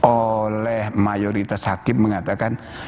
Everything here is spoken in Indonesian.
oleh mayoritas hakim mengatakan